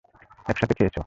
এক সাথে খেয়েছে।